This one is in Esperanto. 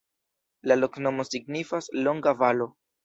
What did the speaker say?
La loknomo signifas: longa-valo.